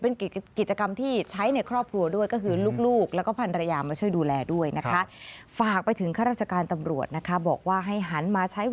เป็นกิจกรรมที่ใช้ในครอบครัวด้วย